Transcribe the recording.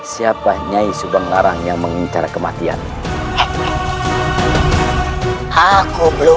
siapa nyai subang larang yang mengincar kematian